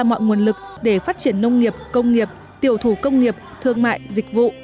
mọi nguồn lực để phát triển nông nghiệp công nghiệp tiểu thủ công nghiệp thương mại dịch vụ